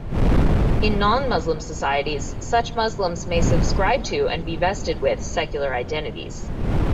In non-Muslim societies, such Muslims may subscribe to, and be vested with, secular identities.